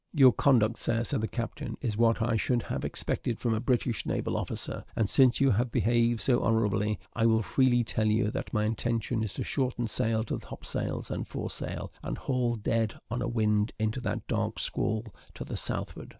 "Your conduct, Sir," said the captain, "is what I should have expected from a British naval officer; and since you have behaved so honourably, I will freely tell you that my intention is to shorten sail to the topsails and foresail, and haul dead on a wind into that dark squall to the southward."